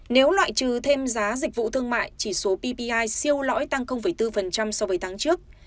nếu loại trừ thêm giá dịch vụ thương mại chỉ số ppi siêu lõi tăng bốn so với tháng trước